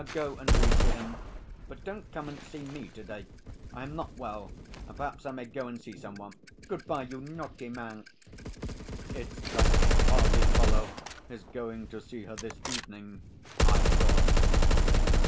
Go and read to him. But don't come and see me to day. I am not well, and perhaps I may go and see some one. Good bye, you naughty man." "It's that swarthy fellow is going to see her this evening," I thought.